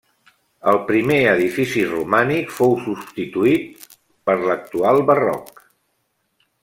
El primer edifici romànic fou substituït al per l'actual barroc.